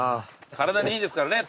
体にいいですからね